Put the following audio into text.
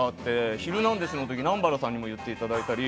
「ヒルナンデス！」の時南原さんにも言っていただいて。